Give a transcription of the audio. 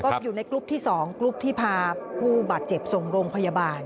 ก็อยู่ในกรุ๊ปที่๒กรุ๊ปที่พาผู้บาดเจ็บส่งโรงพยาบาล